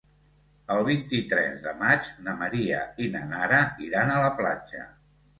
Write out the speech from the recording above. El vint-i-tres de maig na Maria i na Nara iran a la platja.